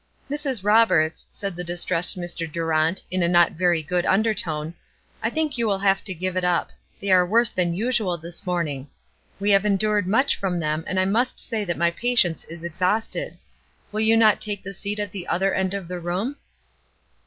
"Mrs. Roberts," said the distressed Mr. Durant, in a not very good undertone, "I think you will have to give it up. They are worse than usual this morning. We have endured much from them, and I must say that my patience is exhausted. Will you not take the seat at the other end of the room?"